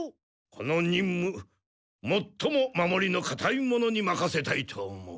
このにんむもっとも守りのかたい者にまかせたいと思う。